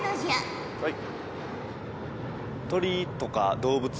はい。